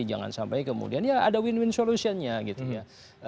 jangan sampai kemudian ya ada win win solution nya gitu ya